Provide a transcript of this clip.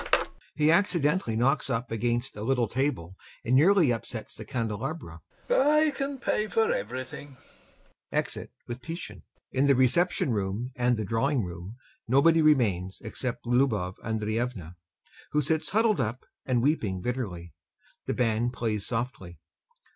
[He accidentally knocks up against a little table and nearly upsets the candelabra] I can pay for everything! [Exit with PISCHIN] [In the reception room and the drawing room nobody remains except LUBOV ANDREYEVNA, who sits huddled up and weeping bitterly. The band plays softly.